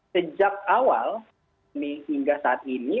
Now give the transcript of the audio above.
sejak awal hingga saat ini